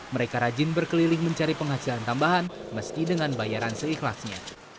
mereka rajin berkeliling mencari penghasilan tambahan meski dengan bayaran seikhlasnya